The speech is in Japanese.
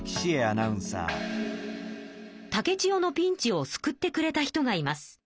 竹千代のピンチを救ってくれた人がいます。